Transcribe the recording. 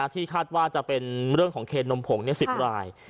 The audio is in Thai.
ที่คาดว่าจะเป็นเรื่องของเคนนมผง๑๐ราย